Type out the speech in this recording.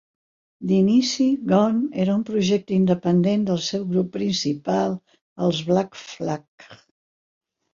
D'inici, Gone era un projecte independent del seu grup principal, els Black Flag.